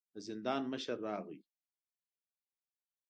د زندان مشر راغی.